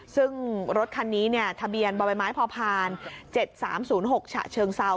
ซึ่งรถคันนี้ทะเบียนบ่อใบไม้พอพาน๗๓๐๖ฉะเชิงเซา